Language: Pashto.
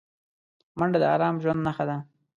منډه د ارام ژوند نښه ده